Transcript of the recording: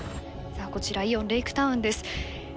さあこちらイオンレイクタウンです。